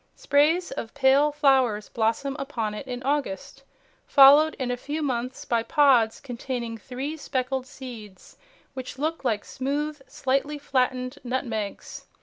Sprays of pale flowers blossom upon it in August, followed in a few months by pods containing three speckled seeds which look like smooth, slightly flattened nutmegs.